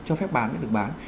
cho phép bán để được bán